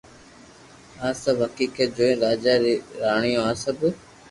آ سب حقيقت جوئين راجا ري راڻيو آ سب